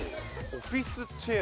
オフィスチェア。